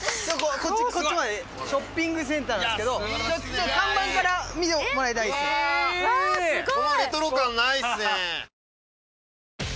こっちまでショッピングセンターなんですけど看板から見てもらいたいんですよ。わすごい！